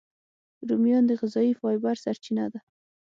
رومیان د غذایي فایبر سرچینه ده